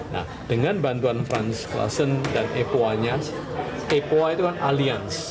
nah dengan bantuan frans klassen dan epoa nya epoa itu kan alliance